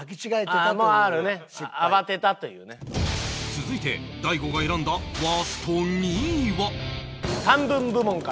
続いて大悟が選んだワースト２位は